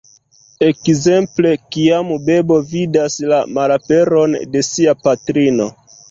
Ekzemple kiam bebo vidas la malaperon de sia patrino.